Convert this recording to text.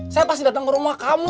saya pasti datang ke rumah kamu